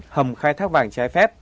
hầm khai thác vàng trái phép